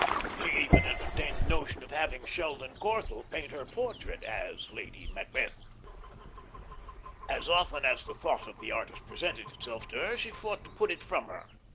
She even entertained the notion of having Sheldon Corthell paint her portrait as Lady Macbeth. As often as the thought of the artist presented itself to her she fought to put it from her.